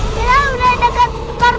kita udah deket portal